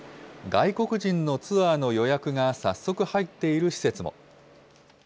外国人のツアーの予約が早速入っている施設も。